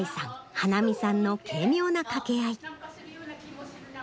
花見さんの軽妙な掛け合い。